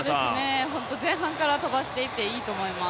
前半から飛ばしていって、いいと思います。